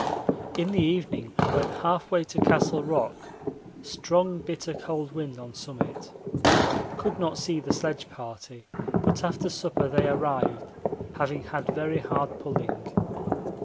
In the evening went half way to Castle Rock; strong bitter cold wind on summit. Could not see the sledge party, but after supper they arrived, having had very hard pulling.